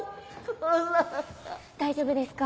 大丈夫ですか？